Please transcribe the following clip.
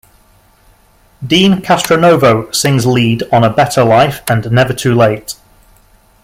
Deen Castronovo sings lead on "A Better Life" and "Never Too Late".